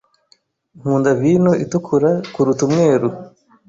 Nkunda vino itukura kuruta umweru.